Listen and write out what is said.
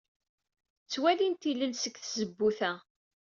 Ttwalint ilel seg tzewwut-a.